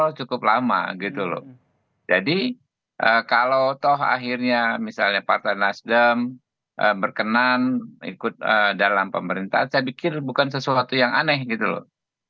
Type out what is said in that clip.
kalau cukup lama gitu loh jadi kalau toh akhirnya misalnya partai nasdem berkenan ikut dalam pemerintahan saya pikir bukan sesuatu yang aneh gitu loh